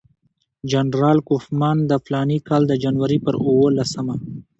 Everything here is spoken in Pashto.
جنرال کوفمان د فلاني کال د جنوري پر اووه لسمه.